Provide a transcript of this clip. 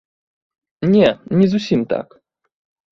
Не, не зусім так.